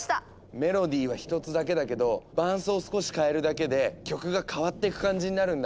メロディーは１つだけだけど伴奏を少し変えるだけで曲が変わっていく感じになるんだ。